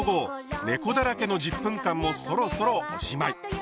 ねこだらけの１０分間もそろそろおしまい。